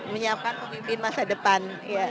menyiapkan pemimpin masa depan